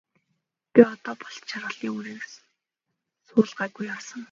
Би одоо болтол жаргалын үрийг суулгаагүй явсан.